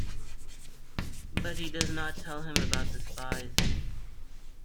But he does not tell him about the spies.